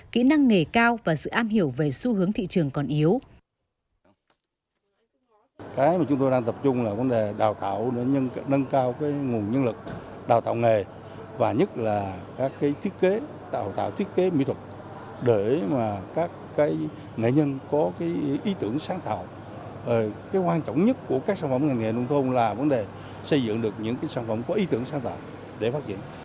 kỹ năng nghề cao và sự am hiểu về xu hướng thị trường còn yếu